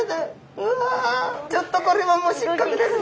うわちょっとこれはもう失格ですね